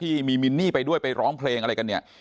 ที่มีมินนี่ไปด้วยไปร้องเพลงอะไรกันเนี่ย